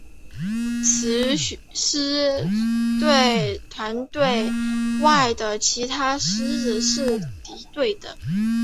雌狮对团体外的其他狮子是敌对的。